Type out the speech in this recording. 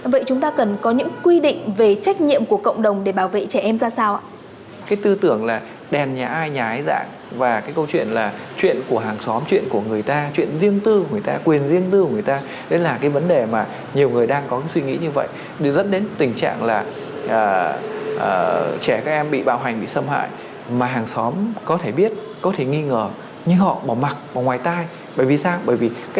vậy chúng ta cần có những quy định về trách nhiệm của cộng đồng để bảo vệ trẻ em ra sao ạ